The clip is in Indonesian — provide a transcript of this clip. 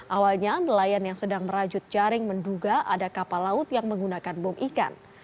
awalnya nelayan yang sedang merajut jaring menduga ada kapal laut yang menggunakan bom ikan